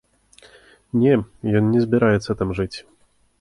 Не, ён не збіраецца там жыць.